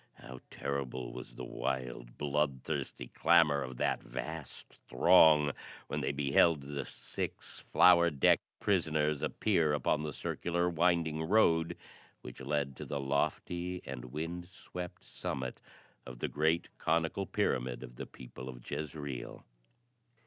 How terrible was the wild, bloodthirsty clamor of that vast throng, when they beheld the six flower decked prisoners appear upon the circular winding road which led to the lofty and wind swept summit of the great conical pyramid of the people of Jezreel.